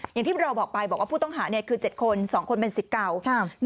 อย่างที่เราบอกไปบอกว่าผู้ต้องหาคือ๗คน๒คนเป็นสิทธิ์เก่า